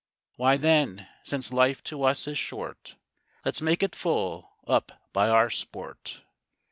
Why then, since life to us is short, Let's make it full up by our sport.